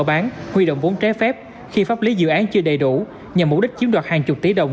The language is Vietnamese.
bán huy động vốn trái phép khi pháp lý dự án chưa đầy đủ nhằm mục đích chiếm đoạt hàng chục tỷ đồng